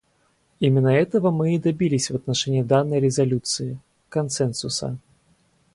Именно этого мы и добились в отношении данной резолюции — консенсуса.